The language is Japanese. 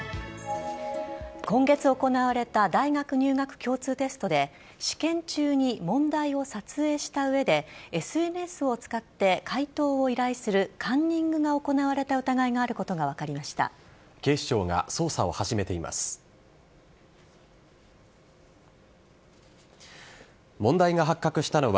今月行われた大学入学共通テストで、試験中に問題を撮影したうえで、ＳＮＳを使って解答を依頼するカンニングが行われた疑いがあることが分かりました。